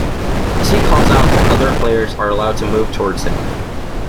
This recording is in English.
As he calls out, the other players are allowed to move towards him.